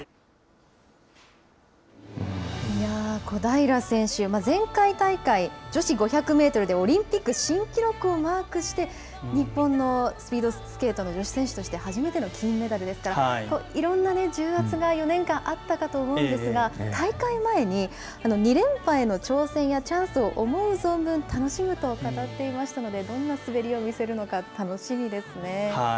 小平選手、前回大会、女子５００メートルでオリンピック新記録をマークして、日本のスピードスケートの女子選手として初めての金メダルですから、いろんな重圧が４年間あったかと思うんですが、大会前に２連覇への挑戦やチャンスを思う存分楽しむと語っていましたので、どんな滑りを見せるのか楽しみですね。